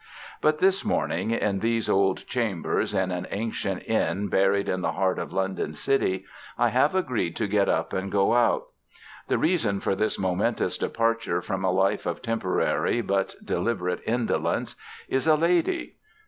But this morning, in these old Chambers in an ancient Inn buried in the heart of London City, I have agreed to get up and go out. The reason for this momentous departure from a life of temporary but deliberate indolence is a lady.